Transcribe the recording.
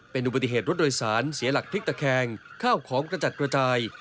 เป็นอุบัติเหตุรถโดยสารเสียหลักพลิกตะแคงข้าวของกระจัดกระจาย